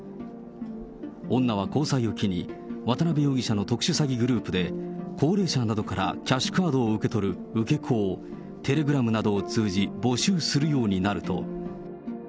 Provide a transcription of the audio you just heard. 女は交際を機に、渡辺容疑者の特殊詐欺グループで、高齢者などからキャッシュカードを受け取る受け子を、テレグラムなどを通じ、募集するようになると。